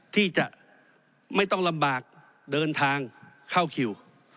ที่จะไม่ต้องลำบากเดินทางเข้าคิว